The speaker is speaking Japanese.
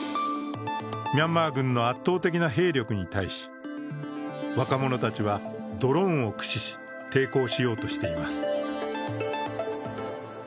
ミャンマー軍の圧倒的な兵力に対し、若者たちはドローンを駆使し、抵抗しようとしています。